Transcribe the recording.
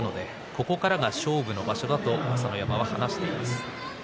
ここからが勝負の場所だと朝乃山は話していました。